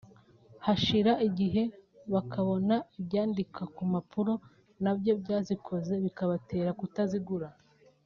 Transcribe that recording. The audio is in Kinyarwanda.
hashira igihe bakabona ibyandika ku mpapuro nabyo byazikoze bikabatera kutabigura